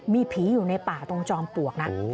มีผีอยู่ในป่าตรงจอมปลวกนะ